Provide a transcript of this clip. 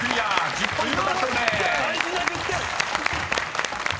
１０ポイント獲得です］